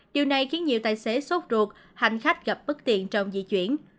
điều này khiến nhiều tài xế sốt ruột hành khách gặp bất tiện trong di chuyển